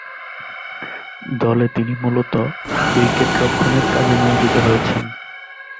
দলে তিনি মূলতঃ উইকেট রক্ষণের কাজে নিয়োজিত রয়েছেন।